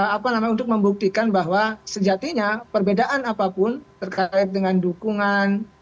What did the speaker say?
apa namanya untuk membuktikan bahwa sejatinya perbedaan apapun terkait dengan dukungan